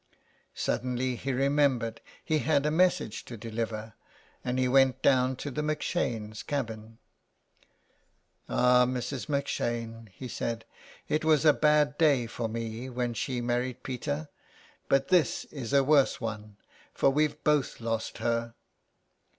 Suddenly he remembered he had a message to deliver, and he went down to the M'Shanes' cabin. '' Ah, Mrs. M'Shane," he said, " it was a bad day for me when she married Peter. But this is a worse one, for we've both lost her."